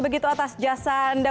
begitu atas jasa anda